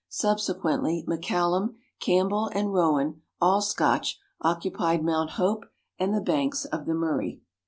Subsequently McCallum, Campbell, and Rowan, all Scotch, occupied Mount Hope and the banks of the Murray.